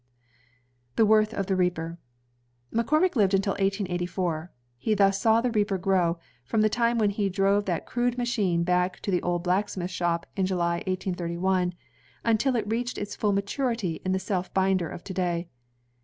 The Worth of the Reaper McCormick Uved imtii 1884. He thus saw the reaper grow, irom the time when he drove that crude machine bacl: to the old blacksmith shop in July, 1831, until it reached its full maturity in the self binder of to day.